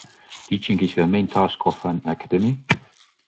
Teaching is the main task of an academy.